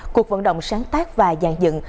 cuộc vận động sáng tác và dàn dựng